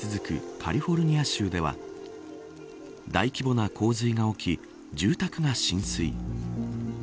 カリフォルニア州では大規模な洪水が起き住宅が浸水。